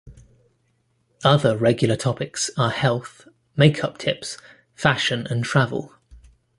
Other regular topics are health, make-up tips, fashion, and travel.